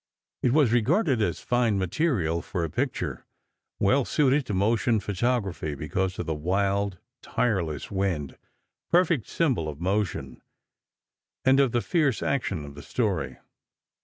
It was regarded as fine material for a picture, well suited to motion photography, because of the wild, tireless wind—perfect symbol of motion, and of the fierce action of the story.